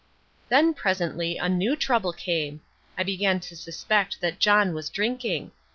Then presently a new trouble came. I began to suspect that John was drinking.